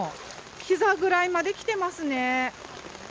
ひざぐらいまできてますね。